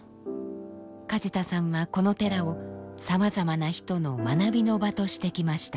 梶田さんはこの寺をさまざまな人の学びの場としてきました。